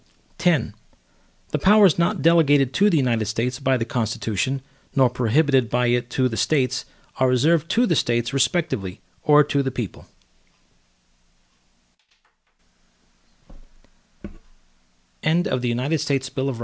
X The powers not delegated to the United States by the Constitution, nor prohibited by it to the States, are reserved to the States respectively, or to the people.